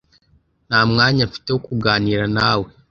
Nta mwanya mfite wo kuganira nawe.